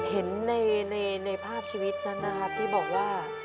เห็นในภาพชีวิตนั้นนะครับที่บอกว่า